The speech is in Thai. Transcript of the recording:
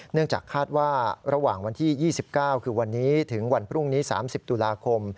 เนื่องจากคาดว่าระหว่างวันที่๒๙คือวันนี้ถึงวันพรุ่งนี้๓๐ตุลาคม